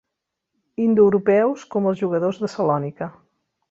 Indoeuropeus com els jugadors de Salònica.